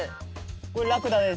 これラクダです。